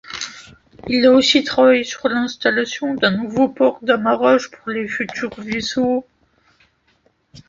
Il a aussi travaillé sur l'installation d'un nouveau port d'amarrage pour les futurs vaisseaux.